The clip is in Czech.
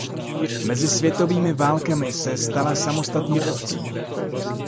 Mezi světovými válkami se stala samostatnou obcí.